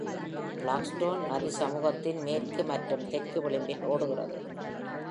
Blackstone நதி சமூகத்தின் மேற்கு மற்றும் தெற்கு விளிம்பில் ஓடுகிறது.